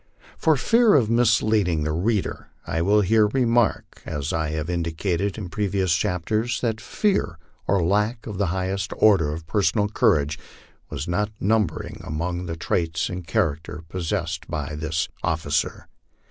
For fear of misleading the reader, I will here remark, as I have indicated in previous chapters, that fear, or a lack of the highest order of personal courage, was not numbered among the traits of character possessed by this officer.